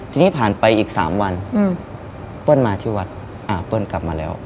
ทีนี้ผ่านไปอีก๓วันเปิ้ลมาที่วัดเปิ้ลกลับมาแล้ว